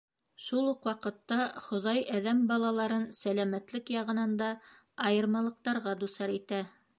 Шул уҡ ваҡытта Хоҙай әҙәм балаларын сәләмәтлек яғынан да айырмалыҡтарға дусар итә.